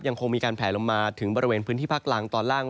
ยังคงมีการแผลลงมาถึงบริเวณพื้นที่ภาคล่างตอนล่าง